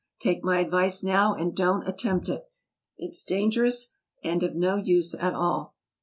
Take my advice now and don't attempt it. It's dangerous, and of no use at all."